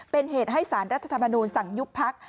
เป็นเหตุให้สารรัฐธรรมนูลสั่งยุบพัก